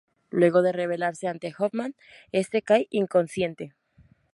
Luego de revelarse ante Hoffman, este cae inconsciente.